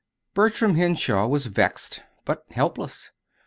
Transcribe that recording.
Bertram Henshaw was vexed, but helpless.